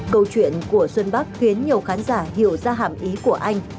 câu chuyện của xuân bắc khiến nhiều khán giả hiểu ra hàm ý của anh